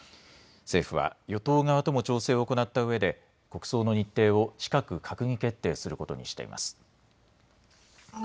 政府は与党側とも調整を行ったうえで国葬の日程を近く閣議決定することにしています。